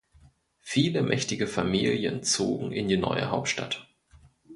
Viele mächtige Familien zogen in die neue Hauptstadt.